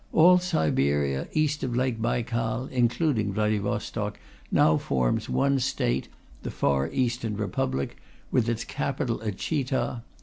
All Siberia east of Lake Baikal, including Vladivostok, now forms one State, the Far Eastern Republic, with its capital at Chita.